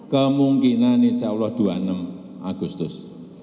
kemungkinan insyaallah dua puluh enam agustus